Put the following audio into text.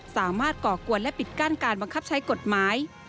ก่อกวนและปิดกั้นการบังคับใช้กฎหมาย